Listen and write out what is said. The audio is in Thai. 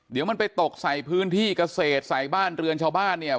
เดี๋ยวมันไปตกใส่พื้นที่เกษตรใส่บ้านเรือนชาวบ้านเนี่ย